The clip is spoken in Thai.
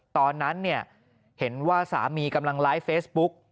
ตอนนั้นเห็นว่าสามีกำลังไลฟ์เฟซบุ๊ก